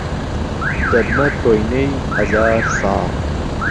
دهبمه کۆینهی ههزار ساڵ